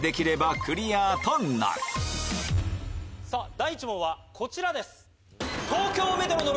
第１問はこちらです。